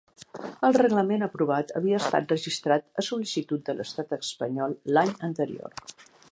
El reglament aprovat havia estat registrat a sol·licitud de l'estat espanyol l'any anterior.